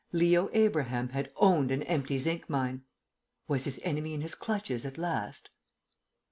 Leo Abraham had owned an empty zinc mine! Was his enemy in his clutches at last?